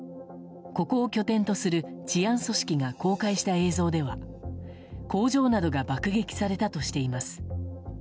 ここを拠点とする治安組織が公開した映像では工場などが爆撃されたとしています。